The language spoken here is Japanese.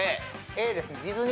Ａですね。